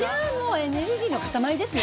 エネルギーの塊ですね。